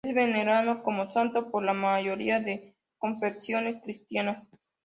Es venerado como santo por la mayoría de confesiones cristianas.